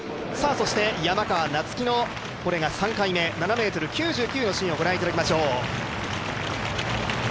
山川夏輝の３回目、７ｍ９９のシーンをこれから御覧いただきましょう。